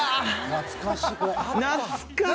懐かしい！